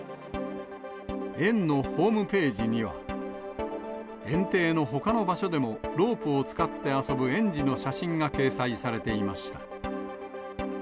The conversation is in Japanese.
園のホームページには、園庭のほかの場所でもロープを使って遊ぶ園児の写真が掲載されていました。